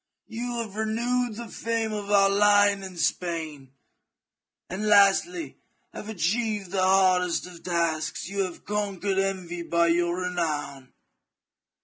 You have renewed the fame of our line in Spain; and, lastly, have achieved the hardest of tasks — you have conquered envy by your renown.